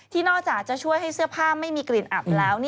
นอกจากจะช่วยให้เสื้อผ้าไม่มีกลิ่นอับแล้ว